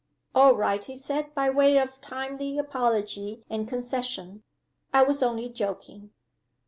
"All right," he said, by way of timely apology and concession. "I was only joking."